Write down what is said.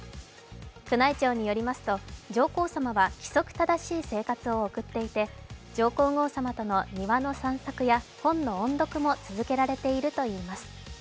宮内庁によりますと、上皇さまは規則正しい生活を送っていて上皇后さまとの庭の散策や本の音読も続けられているといいます。